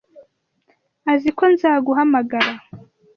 Azi ko nzaguhamagara.